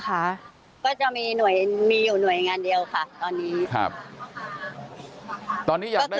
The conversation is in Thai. ค่ะก็จะมีหน่วยมีอยู่หน่วยงานเดียวค่ะตอนนี้ครับตอนนี้อยากได้